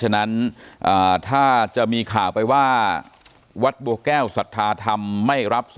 นี่นะครับ